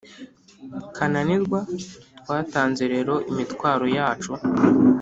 kunanirwa! twanze rero imitwaro yacu,